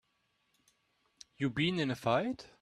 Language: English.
You been in a fight?